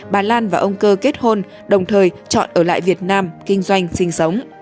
bà lan và ông cơ kết hôn đồng thời chọn ở lại việt nam kinh doanh sinh sống